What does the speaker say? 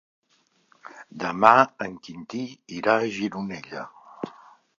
Demà en Quintí irà a Gironella.